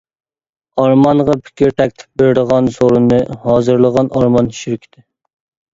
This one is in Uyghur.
ئارمانغا پىكىر تەكلىپ بېرىدىغان سورۇننى ھازىرلىغان ئارمان شىركىتى.